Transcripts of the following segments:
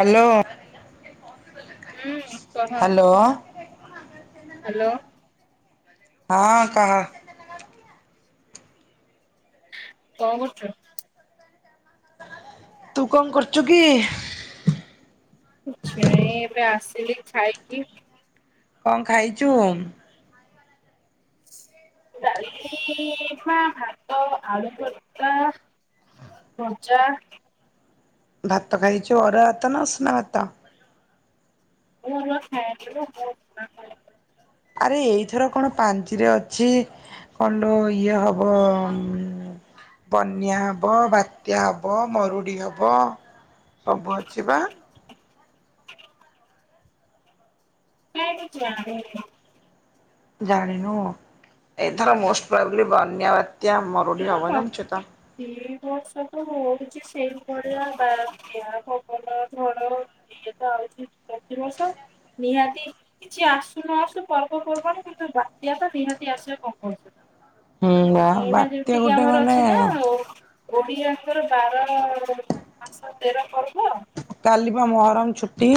Hello. ହୁଁ କହ। Hello. Hello. ହଁ କହ। କଣ କରୁଚୁ। ତୁ କଣ କରୁଚୁ କି? କିଛି ନାଇଁ ଏବେ ଆସିଲି ଖାଇକି! କଣ ଖାଇଚୁ। ଡାଲମା ଭାତ ଆଳୁ ର୍ଭତା ଭଜା ଭାତ ଖାାଇଛୁ ଅରୁଆ ଭାତ ନା ଉଷୁନା ଭାତ। [unintelligible] ଆରେ ଏଇଥର କଣ ପାଞ୍ଚିରେ ଅଛି କଣ ଲୋ ଇଏ ହବ ଉ ବନ୍ୟା ହବ ବାତ୍ୟା ହବ ମରୁଡ଼ି ହବ ସବୁ ଅଛିି ବା। କାଇଁ କିଛି ଜଣାପଡ଼ୁନି। ଜାଣିନୁ ଏଥର ମୋଷ୍ଟ ପୁରାପୁରି ବନ୍ୟା ବାତ୍ୟା ମରୁଡି ହବ ଜାଣିଚୁ ତ। ଦି ବର୍ଷ ତ ହଉଛି ସେଇଭଳିଆ ବାତ୍ୟା ପବନ ଝଡ ଇଏ ତ ଆଉଛି ପ୍ରତିବର୍ଷ ନିହାତି କିଛି ଆସୁ ନ ଆସୁ ପର୍ବ ପର୍ବାଣୀ କିନ୍ତୁ ବାତ୍ୟା ଟା ନିହାତି ଆସିବା କମ୍ପଲସରି। ହୁଁ ବା ବା ଡି ଆମର ଅଛି ନା ଆଉ! ଓ ଓଡ଼ିଆଙ୍କର ବାର ମାସ ତେର ପର୍ବ କାଲି ବା ମହରମ ଛୁଟି।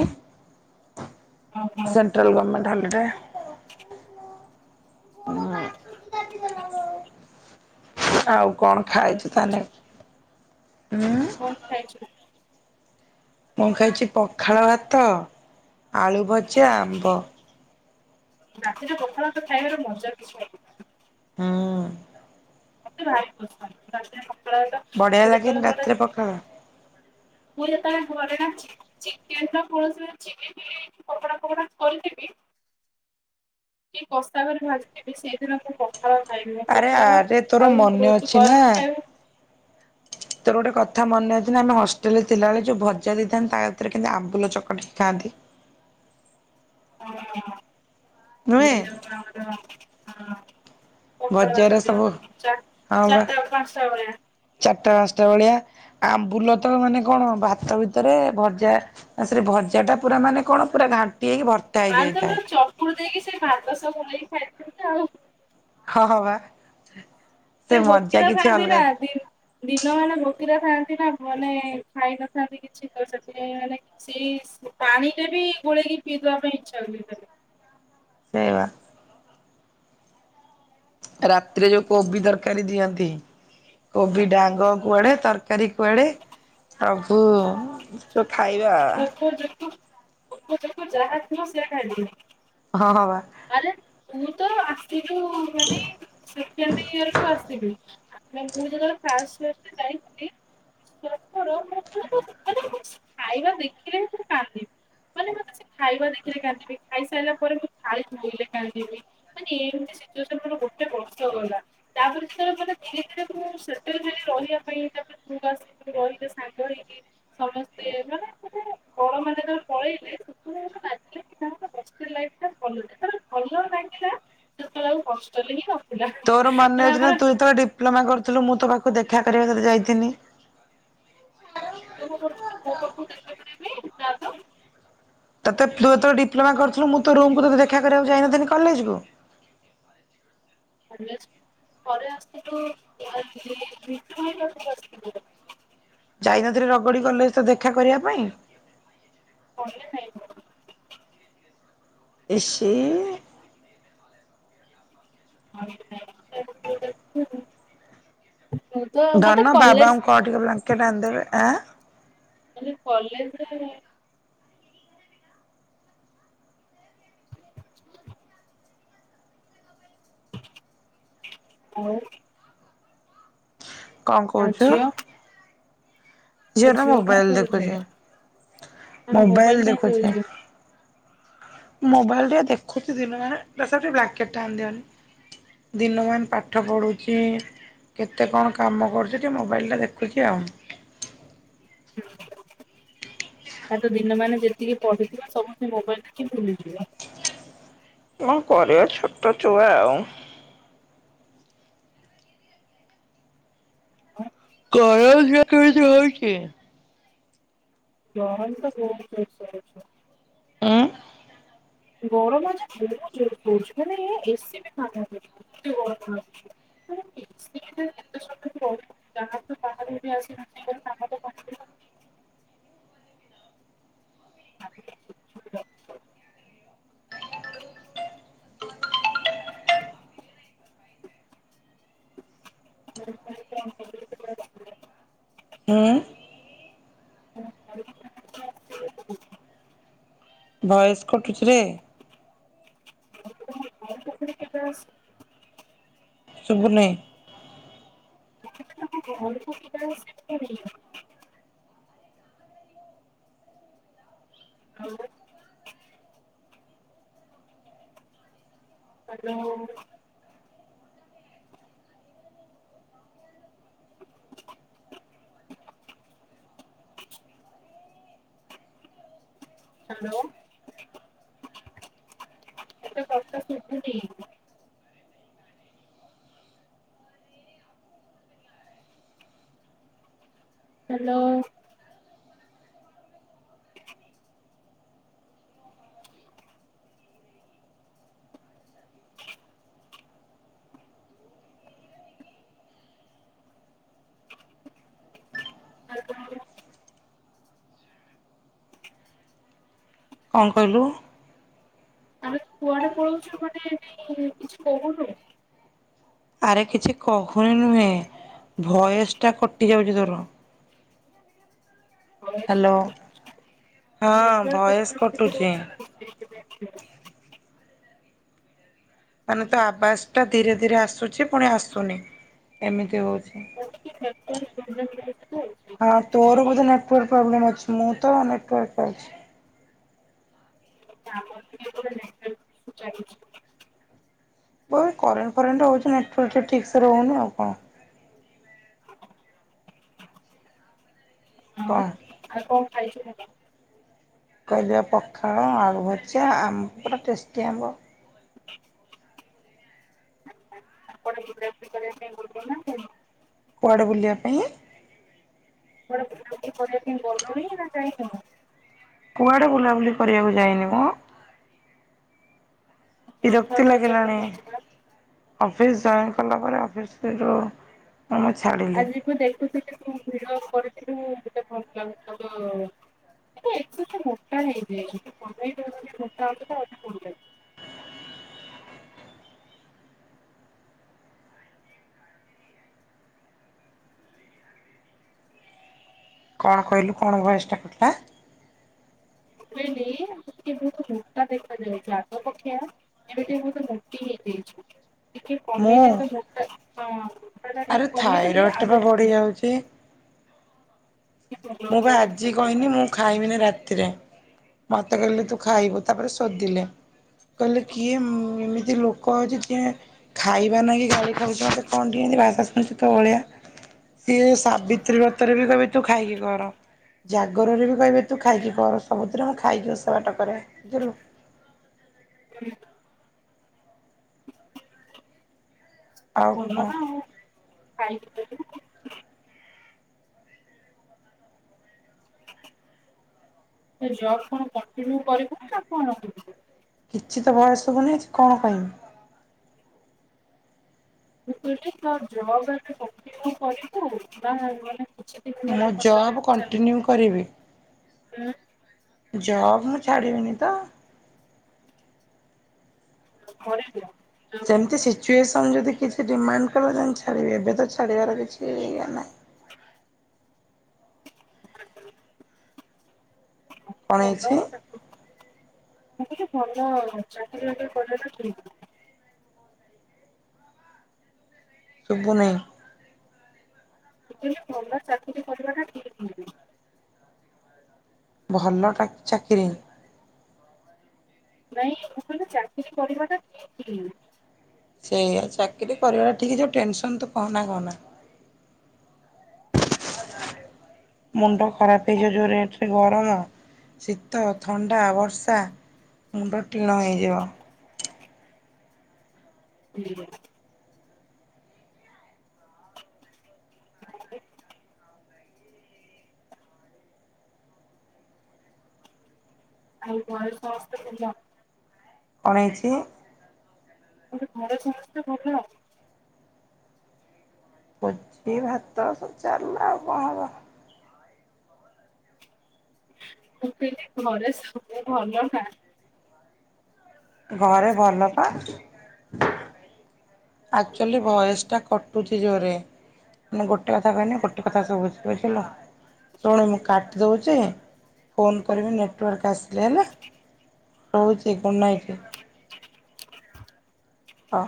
କଣ ସେଣ୍ଟ୍ରାଲ ଗମେଣ୍ଟ ହଲିଡେ ହୁଁ। ଆଉ କଣ ଖାଇଚୁ ତାହାନେ ଉଁ? ଖାଇଚୁ ମୁଁ ଖାଇଚି ପଖାଳ ଭାତ, ଆଳୁ ଭଜା, ଆମ୍ବ। ରାତିରେ ପଖାଳ ଭାତ ଖାଇବାର ମଜା କିଛି ଅଲ ହୁଁ। ମତେ ଭାରି ପସନ୍ଦ ରାତିରେ ପଖାଳ ଭାତ ବଢିଆ ମୁଁ ଲାଗେନି ଯେତେବେଳେ ଘରେ ରାତିରେ ପଖାଳ ମୁୁ ଯେତେବେଳେ ଘରେ ନ ଅଛି ଚିକେନର କୌଣସି ଚିକେନ ଚିଲ୍ଲି ପକୋଡା ଫକୋଡା କରିଦେବି କି କସା କରି ଭାଜିଥିବି ସେଇଦିନ ମୁଁ ପ କଣ ଖାଇବୁ ଆରେ ପଖାଳ ଆରେ ତୋର ମନେ ଆଉ ତୁ ଅଛି ନା ଗରମ ଖାଇବୁ ତୋର ଗୋଟେ କଥା ମନେ ଅଛି ନା ଆମେ ହଷ୍ଟେଲରେ ଥିଲାବେଳେ ଯୋଉ ଭଜା ଦେଇଥାନ୍ତି ତା ଭିତରେ କେମତି ଆମ୍ବୁଲ ଚକଡିକି ଖାଆନ୍ତି। ହଁ ନୁହେଁ ସେଇରା [unintelligible] ହଁ। ପଖାଳ ଭଜାରା ଭାତ ସବୁ ଦିଅନ୍ତି ଚାର ଚାରିଟା ପାଞ୍ଚଟା ବେଳିଆ। ଚାରଟା ପାଞ୍ଚଟା ବେଳିଆ ଆମ୍ବୁଲ ତ ମାନେ କଣ ଭାତ ଭିତରେ ଭଜା ଆଉ ସେଠି ଭଜାଟା ପୁରା ମାନେ କଣ ପୁରା ଘାଣ୍ଟି ହେଇକି ଭ ଆଳୁଟା ତ ଚକୁଡି ଦେଇକି ସେ ଭାତ ସବୁ ନେଇକି ଖାଇଥାନ୍ତି ଆଉ। ହଁ ହଁ ପା। ସେ ଭୋକିିିଲା ଥାଆନ୍ତି ନା ଦି ଦିନ ମାନେ ଭୋକିିଲା ଥାନ୍ତି ନା ମାନେ ଖାଇ ନଥାନ୍ତି କିଛି ତ ସେଥିପାଇଁ ମାନେ ସିଏ ସ୍ ପାଣିରେ ବି ଗୋଳେଇକି ପିଇଦବା ପାଇଁ ଇଚ୍ଛା ହୁଏ ତାର। ସେଇ ପା। ରାତିରେ ଯୋଉ କୋବି ତରକାରୀ ଦିଅନ୍ତି, କୋବି ଡାଙ୍ଗ କୁଆଡେ ତର ତରକାରୀ କୁଆଡେ ପ୍ରଭୁ ଯୋଉ ଖାଇବା ପୋକଯୋକ ପୋକଯୋକ ଯାହା ଥିବ ସେୟା ଖାଇ। [unintelligible] ହଁ ହଁ ପା। ଆରେ ତୁ ତ ଆସିଲୁ ମାନେ ସେକେଣ୍ଡ ଇଅରକୁ ଆସିଲୁ ଆ ମାନେ ମୁଁ ଯେତେବେଳେ ଫାଷ୍ଟ ଫାଷ୍ଟ ଯାଇଥିଲି ପ୍ଲସ ଟୁ ରୁମକୁ ଗଲେ ତୁ ଖାଲି ଖାଇବା ଦେଖିଲେ ହିଁ ତୁ କାନ୍ଦିବୁ। ମାନେ ମୁଁ କିଛି ଖାଇବା ଦେଖିଲେ କାନ୍ଦିବି ଖାଇସାଇଲା ପରେ ମୁଁ ଥାଳି ଧୋଇଲେ କାନ୍ଦିବି। ମାନେ ଏମତି ସିଚୁଏସନ ଗୋଟେ ବର୍ଷ ରହିଲା। ତାପରେ ସେ ମାନେ ଧୀରେ ଧୀରେ ମୁଁ ସେଟେଲ ହେଲି ରହିବା ପାଇଁ ତାପରେ ତୁ ଆସି ରହିଲେ ସାଙ୍ଗ ହେଇକି ସମସ୍ତେ ମାନେ ଗୋଟେ ବଡ ମାନେ ଯେତେବେଳେ ପଳେଇଲେ ମାନେ ଗୋଟେ ଲାଗିଲା କି ନା ଗୋଟେ ହଷ୍ଟେଲ ଲାଇଫ ଟା ଭଲଟା ଯେତେବେଳେ ଭଲ ଲାଗିଲା ସେତଳେ ଆଉ ହଷ୍ଟେଲ ହିଁ ନ ତୋର ମନେ ଅଛି ନା ତୁ ଯେତେବେଳେ ଡିପ୍ଲୋମା କରୁଥୁଲୁ ମୁଁ ତୋ ପାଖକୁ ଦେଖା କରିବାକୁ ତତେ ଯାଇଥିନି? କାମ କରୁଚି। ଭାତ [unintelligible] ତତେ ତୁ ଯେତୋଳେ ଡିପ୍ଲୋମା କରୁଥୁଲୁ ମୁଁ ତୋ ରୁମକୁ ତତେ ଦେଖା କରିବାକୁ ଯାଇନଥିନ୍ କଲେଜକୁ ମନେଅଛି ପରେ ଆସିଥିଲୁ [unintelligible] ଭିତରୁକୁ [unintelligible] ଯାଇ ନଥିନି ରଗଡି କଲେଜ ତତେ ଦେଖା କରିବା ପାଇଁ? କଲେଜ ନାଇ [unintelligible] ଇସି [unintelligible] ମୁଁ ତ ମତେ ଧନ କଲେଜ ବାବାଙ୍କୁ କହ ଟିକେ ବ୍ଲାଙ୍କେଟ୍ ଆଣିଦେବେ ଆଁ? ତାହେଲେ କଲେଜରେ ଆଉ? କଣ ଆଉ କୋହୁଚୁ? ଝିଅ ତୋ ଝିଅଟା ଝିଅ କଣ ମୋବାଇଲ କରୁଛି ଦେଖୁଚି ଆମେ ମୋବାଇଲ କାହିଁ ଦେଖୁଚି। ଦଉଛୁ ମୋବାଇଲରେ ଦେଖୁଚି ଦିନମାନେ ଦାସବାବୁ ଟିକେ ବ୍ଲାଙ୍କେଟଟା ଆଣି ଦିଅନି। ଦିନ ମାନ ପାଠ ପଢୁଛି। କେତେ କଣ କାମ କରୁଛି ଟିକେ ମୋବାଇଲଟା ଦେଖୁଛି ଆଉ। ହ ତା ତ ଦିନ ମାନେ ଯେତିକି ପଢିଥିବ ସବୁ ସେ ମୋବାଇଲ ଦେଖିକି ଭୁଲିଯିବ। କଣ କରିବ ଛୋଟ ଛୁଆ ଆଉ। ହ [inaudible] ସୋଇଛି। [unintelligible] ଏଁ। ଗରମ ଯେ ବହୁତ ଜୋରେ ହଉଚି ମାନେ ଏସି ବି କାମ କରୁନି। [unintelligible] [unintelligible] [unintelligible] [unintelligible] ହୁଁ। କଁ କରିବ ପରା। ଭଏସ କଟୁଛି ରେ। [inaudible] କେ ଶୁଭୁନି। [unintelligible] ଘରୁ [inaudible] ଆଉ ହାଲୋ। [unintelligible] ହ୍ୟାଲୋ ତୋ କଥା ଶୁଭୁନି। ହ୍ୟାଲୋ। [unintelligible] ଆଉ କଣ କଣ କଣ କହିଲୁ। ଆରେ କୁଆଡେ ପଳଉଛୁ ମାନେ ଏ କିଛି କହୁନୁ। ଆରେ କିଛି କହୁନୁ ନୁହେଁ ଭଏସ୍ ଟା କଟିଯାଉଛି ତୋର। ହାଲୋ କହୁନୁ। ହଁ ଆଉ କଣ ଭଏସ୍ ଖାଇଛୁ କଣ? କଟୁଚି। ମାନେ ତୋ ଆୱାଜ ଟା ଧୀରେ ଧୀରେ ଆସୁଛି ପୁଣି ଆସୁନି ଏମିତି ହଉଚି। ଆଉ କୁଆଡେ ବୁଲାବୁଲି କରିବା ପାଇଁ ଗଲୁ ନା କଣ? ହଁ ତୋର ବୋଧେ ନେଟ୍ ତୋର ପ୍ରୋବ୍ଲେମ୍ ଅଛି ମୋରତ ନେଟୱର୍କ ପାଉଛି। ଆମର ବି ନେଟୱର୍କ ଈସୁ ଚାଲୁଚି। ବୋଧେ କରେଣ୍ଟ ଫରେଣ୍ଟ ହେଉଛି ନେଟୱାର୍କ ଟା ଠିକସେ ରହୁନି ଆଉ କଣ। କଣ? ଆଉ ଆଉ କଁ ଖାଇଛୁ। [inaudible] କହିଦିଅ ପଖାଳ ଆଳୁ ଭଯା ଆମ୍ବ ଟେଷ୍ଟି ଆମ୍ବ। ଆପଣ [inaudible] କୁଆଡ଼େ ବୁଲିବା ପାଇଁ। କୁଆଡେ ବୁଲାବୁଲି କରିବା ପାଇଁ ଗଲଣି ନା ଯାଇନ। କୁଆଡ଼େ ବୁଲାବୁଲି କରିବାକୁ ଯାଇନିମ। ବିରକ୍ତି ରଥଯାତ୍ରା ଲାଗିଲାଣି ଚାଲୁଚନ୍ତି ପା। ଅଫିସ୍ ଜଏନ କଲା ପରେ ଅଫିସ ଯୋଉ। ତମେ ଛାଡ଼ିି। ଆଜିଠୁ ଦେଖୁଥିଲି ତୁ ଭିଡ କରିଥିଲୁ ମତେ ଭଲ ଲାଗୁଥିଲା ତ ତୁ ଏକ୍ସେସ୍ ମୋଟା ହେଇଯାଇଚୁ। କଣ କହିଲୁ କଣ ଭଏସ ଟା କଥା। ନାଇଁ ନାଇଁ ଟିକିଏ ବହୁତ ମୋଟା ଦେଖାଯାଉଛି ଆଗ ପକ୍ଷିଆ। ଏବେ ଟିକେ ବହୁତ ମୋଟି ହେଇଯାଇଛି ଟିକେ ମୁଁ କମେଇଲେ ତ ମୋଟା ହଁ ମୋଟା ଟା ଟିକେ ଆରେ କମେଇ ଦେଲେ ଥାଇରଏଡ଼ଟା ଆଉ ପା ବଢ଼ି ଟିକେ ଯାଉଛି। ଭଲ ମୁଁ ପା ପୁରା ଆଜି ଦେଖାଯିବ କହିନି ମୁଁ ଖାଇମିନି ରାତିରେ। ମତେ କହିଲେ ତୁ ଖାଇବୁ ତାପରେ ଶୋଧିଲେ। କହିଲେ କିଏ ମୁଁ ଏମିତି ଲୋକ ଆଛି କିଏ। ଖାଇବା ନାଗି ଗାଳି ଖାଉଚ କଣ ଏମିତି ଭାଷା ଶୁଣିଛୁ ତୋ ଭଳିଆ। ଇଏ ସାବିତ୍ରୀ ବ୍ରତରେ ବି କହିବେ ତୁ ଖାଇକି କର। ଆଁ ଜାଗରରେ ବି କହିବେ ତୁ ଖାଇକି କର ସବୁଥିରେ ମୁଁ ଖାଇକି ଓଷା ବାଟ କରେ। [unintelligible] [unintelligible] ଆଉ ଭଲ ନା କଣ ଆଉ ଖାଇକି। [unintelligible] କହିଲି ଜବ୍ କଣ କଣ୍ଟିନ୍ୟୁ କରିବୁ ନା କଣ କରିବୁ? କିଛି ତ ଭଏସ୍ ଶୁଭୁନି ଆଜି କଣ କହିମି। ମୁଁ କହିଲି ତୋ ଜବ୍ ଏବେ କଣ୍ଟିନ୍ୟୁ କରିବୁ ନା ମୁଁ ଜବ୍ ମାନେ। କଣ୍ଟିନ୍ୟୁ କରିବି [unintelligible] ଜବ୍ ମୁଁ ଛାଡ଼ିବିନି ତ। [inaudible] ଯେମିତି ସିଚୁଏସନ ଯଦି କିଛି ଡିମାଣ୍ଡ କଲେ ଯାଇକି ଛାଡ଼ିବେ ଏବେ ତ ଛାଡ଼ିବାର କିଛି ଇଏ ନାହିଁ। [unintelligible] [unintelligible] ଭଲ କଣ ହେଇଛି ଚାକିରି ବାକିରି କରିବା ଟା ଠିକ୍। ଶୁଭୁ ନେଇ। ମୁଁ କହିଲି ଭଲ ଚାକିରି କରିବାଟା ଠିକ୍। ଭଲଟା କି ଚାକିରି‌? ନାଇଁ ମୁଁ କହିଲି ଚାକିରି କରିବାଟା ଠିକ୍। ସେଇଆ ଚାକିରି କରିବାଟା ଠିକ୍ ଯେ ଟେନସନ୍ ତୁ କହନା କହନା। ମୁଣ୍ଡ ଖରାପ ହେଇଯିବ ଯୋଉ ରେଟ୍ ରେ ଗରମ, ଶୀତ, ଥଣ୍ଡା, ବର୍ଷା। ମୁଣ୍ଡ ଟିଣ ହେଇଯିବ। [inaudible] [inaudible] ଆଉ ଘରେ ସମସ୍ତେ ଭଲ? କଣ ହେଇଚି? ମୁଁ କହିଲି ଘରେ ସମସ୍ତେ ଭଲ? ଭୋଜି ଭାତ ସବୁ ଚାଲିଲା ଆଉ କଣ ହବ। ମୁଁ କହିଲି ଘରେ ସବୁ ଭଲ ନା? ଘରେ ଭଲ ପା। ଆକ୍ଚୁଆଲି ଭଏସ ଟା କଟୁ ଛି ଜୋରରେ ମୁଁ ଗୋଟେ କଥା କହିଲେ ଗୋଟେ କଥା ଶୁଭୁଚି ବୁଝିଲ? ଶୁଣୁ ମୁଁ କାଟି ଦଉଛି ଫୋନ୍ କରିବି ନେଟୱାର୍କ ଆସିଲେ ହେଲା? ରହୁଛି ଗୁଡ୍ ନାଇଟ୍। ହଁ।